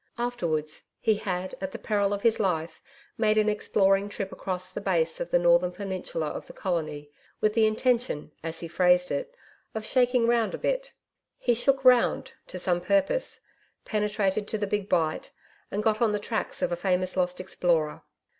Afterwards he had at the peril of his life, made an exploring trip across the base of the northern peninsula of the colony with the intention, as he phrased it, of 'shaking round a bit.' He 'shook round' to some purpose, penetrated to the Big Bight, and got on the tracks of a famous lost explorer.